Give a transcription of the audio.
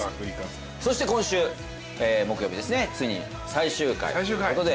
そして今週木曜日ですねついに最終回ということで。